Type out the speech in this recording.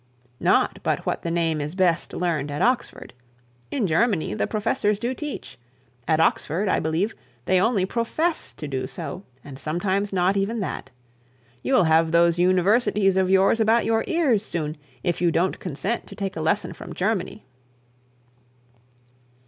'Not but what the name is best earned at Oxford. In Germany the professors do teach; at Oxford, I believe they only profess to do so, and sometimes not even that. You'll have those universities of yours about your ears soon, if you don't consent to take a lesson from Germany.'